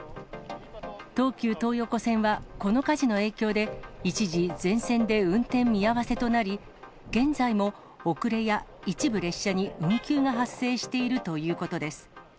東急東横線は、この火事の影響で、一時、前線で運転見合わせとなり、現在も遅れや一部列車に運休が発生しているということです。